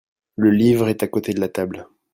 Le livre est à côté de la table.